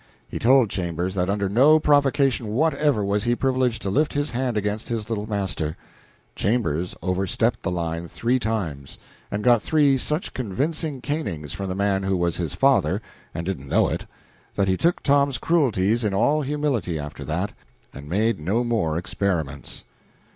He told Chambers that under no provocation whatever was he privileged to lift his hand against his little master. Chambers overstepped the line three times, and got three such convincing canings from the man who was his father and didn't know it, that he took Tom's cruelties in all humility after that, and made no more experiments.